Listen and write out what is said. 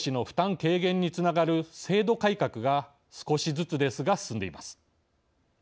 軽減につながる制度改革が少しずつですが、進んでいます。